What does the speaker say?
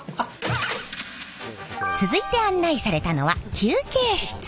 続いて案内されたのは休憩室。